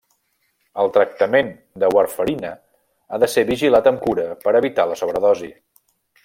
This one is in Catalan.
El tractament de warfarina ha de ser vigilat amb cura per evitar la sobredosi.